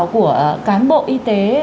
của cán bộ y tế